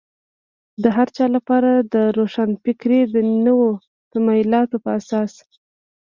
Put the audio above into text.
د هر چا لپاره روښانفکري د نویو تمایلاتو په اساس.